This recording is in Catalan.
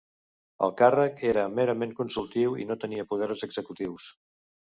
El càrrec era merament consultiu i no tenia poders executius.